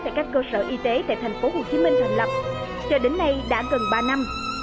tại các cơ sở y tế tại tp hcm thành lập cho đến nay đã gần ba năm